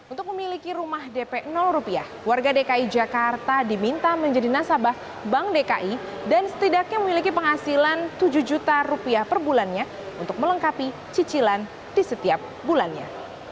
untuk memiliki rumah dp rupiah warga dki jakarta diminta menjadi nasabah bank dki dan setidaknya memiliki penghasilan tujuh juta rupiah per bulannya untuk melengkapi cicilan di setiap bulannya